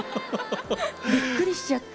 びっくりしちゃった。